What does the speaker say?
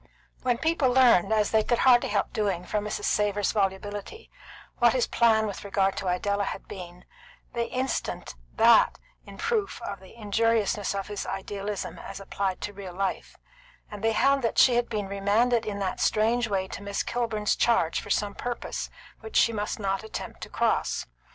When people learned, as they could hardly help doing from Mrs. Savor's volubility, what his plan with regard to Idella had been, they instanced that in proof of the injuriousness of his idealism as applied to real life; and they held that she had been remanded in that strange way to Miss Kilburn's charge for some purpose which she must not attempt to cross.